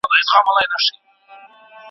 کوم عملونه د زړه سوي او مهربانۍ غوره بېلګې دي؟